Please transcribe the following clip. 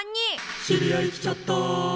「知り合い来ちゃった」